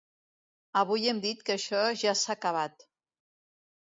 Avui hem dit que això ja s’ha acabat.